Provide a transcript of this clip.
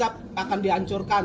dan mengazap akan dihancurkan